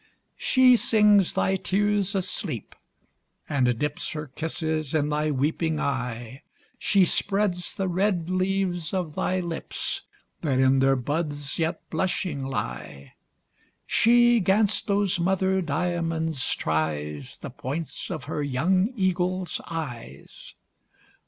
She sings thy tears asleep, and dips Her kisses in thy weeping eye, She spreads the red leaves of thy lips, That in their buds yet blushing lie. She 'gainst those mother diamonds tries The points of her young eagle's eyes.